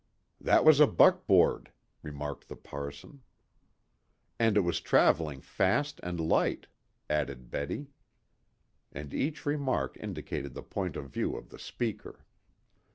"That was a buckboard," remarked the parson. "And it was traveling fast and light," added Betty. And each remark indicated the point of view of the speaker.